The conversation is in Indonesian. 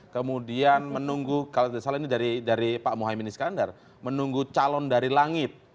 kemudian menunggu kalau tidak salah ini dari pak muhaymin iskandar menunggu calon dari langit